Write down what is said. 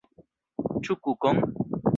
Ĉu kukon?